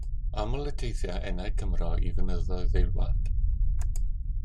Aml y teithia enaid Cymro i fynyddoedd ei wlad.